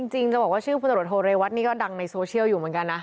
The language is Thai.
จะบอกว่าชื่อพลตรวจโทเรวัตนี่ก็ดังในโซเชียลอยู่เหมือนกันนะ